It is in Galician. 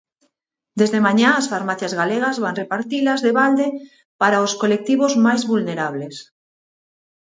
Desde mañá as farmacias galegas van repartilas de balde para os colectivos máis vulnerables.